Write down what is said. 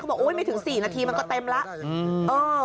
เขาบอกไม่ถึง๔นาทีแล้วก็เต็มแล้ว